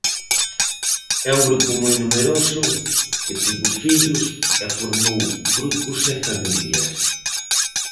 É un grupo moi numeroso, que tivo fillos e formou grupos e familias.